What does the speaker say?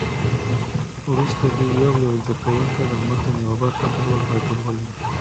وروسته دې یو یو زده کوونکی د متن یوه برخه په لوړ غږ ولولي.